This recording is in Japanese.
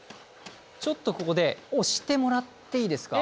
ちょっとここで押してもらっていいですか？